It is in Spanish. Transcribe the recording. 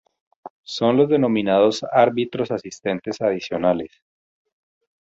Son los denominados árbitros asistentes adicionales.